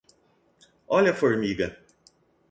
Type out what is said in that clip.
Olhe a formiga